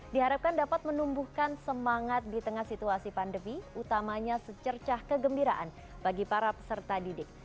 diharapkan dapat menumbuhkan semangat di tengah situasi pandemi utamanya secercah kegembiraan bagi para peserta didik